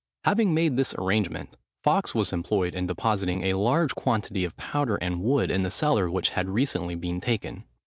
Having made this arrangement, Fawkes was employed in depositing a large quantity of powder and wood in the cellar which had recently been taken.